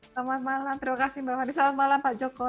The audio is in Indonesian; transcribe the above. selamat malam terima kasih mbak fani selamat malam pak joko